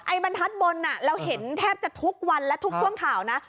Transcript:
บรรทัศน์บนเราเห็นแทบจะทุกวันและทุกช่วงข่าวนะ